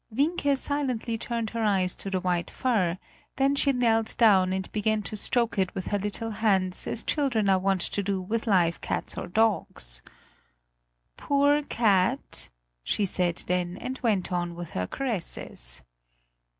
Wienke silently turned her eyes to the white fur; then she knelt down and began to stroke it with her little hands as children are wont to do with live cats or dogs. "Poor cat!" she said then and went on with her caresses.